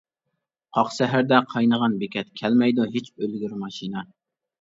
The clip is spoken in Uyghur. قاق سەھەردە قاينىغان بېكەت، كەلمەيدۇ ھېچ ئۆلگۈر ماشىنا.